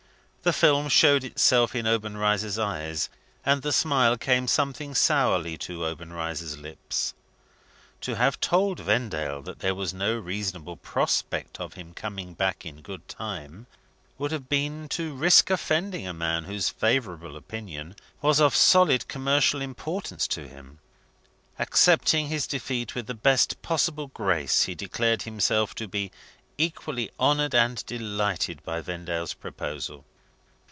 The film showed itself in Obenreizer's eyes, and the smile came something sourly to Obenreizer's lips. To have told Vendale that there was no reasonable prospect of his coming back in good time, would have been to risk offending a man whose favourable opinion was of solid commercial importance to him. Accepting his defeat with the best possible grace, he declared himself to be equally honoured and delighted by Vendale's proposal.